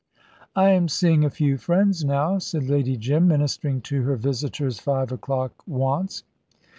"I am seeing a few friends now," said Lady Jim, ministering to her visitors' five o'clock wants.